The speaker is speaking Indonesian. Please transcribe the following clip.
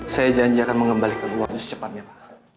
saya janjikan mengembalikan kebuahannya secepatnya pak